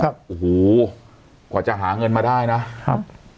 โอ้โหกว่าจะหาเงินมาได้นะครับ